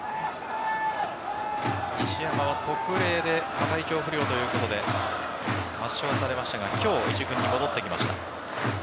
石山は特例で調不良ということで抹消されましたが今日、一軍に戻ってきました。